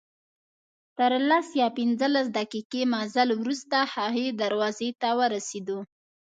تر لس یا پنځلس دقیقې مزل وروسته هغې دروازې ته ورسېدو.